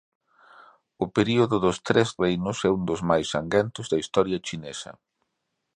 O período dos Tres Reinos é un dos máis sanguentos da historia chinesa.